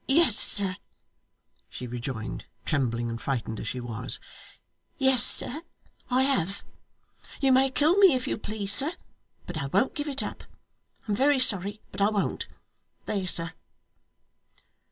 'Yes, sir,' she rejoined, trembling and frightened as she was. 'Yes, sir, I have. You may kill me if you please, sir, but I won't give it up. I'm very sorry, but I won't. There, sir.